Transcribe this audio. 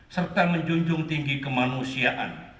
serta menjunjung tinggi kemanusiaan